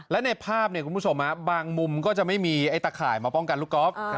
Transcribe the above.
และในภาพคุณผู้ชมบางมุมก็จะไม่มีไอ้ตะข่ายมาป้องกันลูกกอล์ฟ